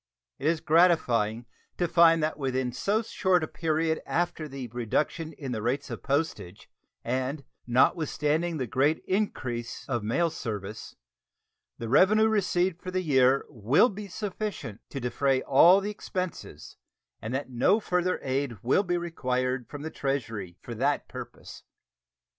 It is gratifying to find that within so short a period after the reduction in the rates of postage, and notwithstanding the great increase of mail service, the revenue received for the year will be sufficient to defray all the expenses, and that no further aid will be required from the Treasury for that purpose.